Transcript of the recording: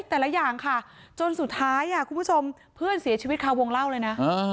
แต่ละอย่างค่ะจนสุดท้ายคุณผู้ชมเพื่อนเสียชีวิตคาวงเล่าเลยนะ